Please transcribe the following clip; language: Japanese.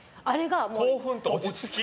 興奮と落ち着き？